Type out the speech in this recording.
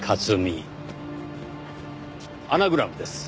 アナグラムです。